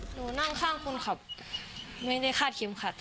หนูนั่งข้างคุณขับไม่ได้ฆาตเข็มขัดด้วย